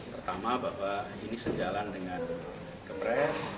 pertama bahwa ini sejalan dengan kepres